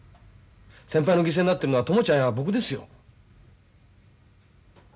先輩の犠牲になってるのは朋ちゃんや僕ですよ。